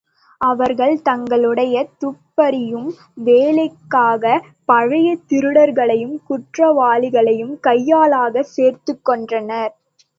அவர்கள் தங்களுடைய துப்பறியும் வேலைகளுக்காகப் பழைய திருடர்களையும், குற்றவாளிகளையும் கையாட்களாகச் சேர்த்துக் கொண்டனர்.